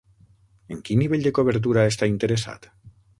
En quin nivell de cobertura està interessat?